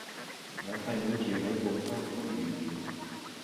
我細妹住喺半山區豫苑